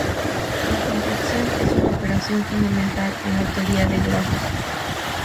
La contracción es una operación fundamental en la teoría de grafos.